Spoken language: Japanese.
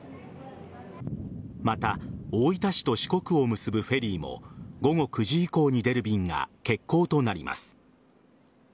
また大分市と四国を結ぶフェリーも午後９時以降に出る便が欠航となります。